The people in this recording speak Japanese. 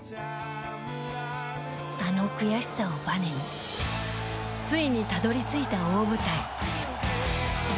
あの悔しさをばねについにたどり着いた大舞台。